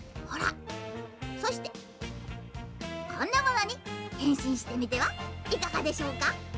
「そしてこんなものにへんしんしてみてはいかがでしょうか？」。